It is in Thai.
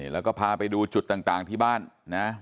แล้วก็พาไปดูจุดต่างที่บ้านนะ